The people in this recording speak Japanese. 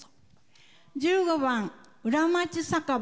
１５番「裏町酒場」。